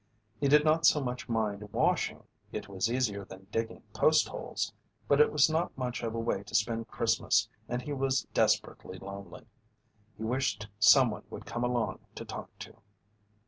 He did not so much mind washing, it was easier than digging post holes, but it was not much of a way to spend Christmas and he was desperately lonely. He wished someone would come along to talk to.